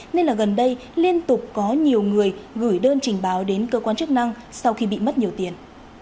nên là gần đây liên tục có nhiều người gửi đơn trình báo đến cơ quan chức năng sau khi bị mất nhiều tiền